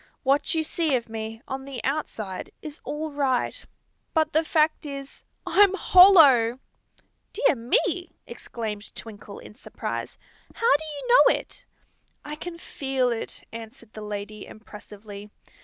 "What you see of me, on the outside, is all right; but the fact is, I'm hollow!" "Dear me!" exclaimed Twinkle, in surprise. "How do you know it?" "I can feel it," answered the lady, impressively.